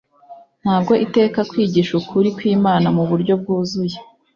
Ntabwo iteka kwigisha ukuri kwImana mu buryo bwuzuye